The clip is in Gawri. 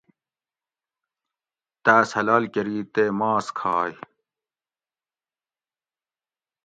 تاۤس حلال کریی تے ماس کھائ